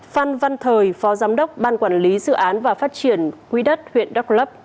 phan văn thời phó giám đốc ban quản lý dự án và phát triển quỹ đất huyện đắk lấp